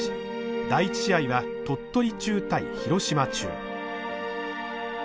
第１試合は鳥取中対廣島中。